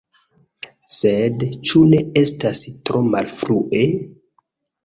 Sed ĉu ne estas tro malfrue?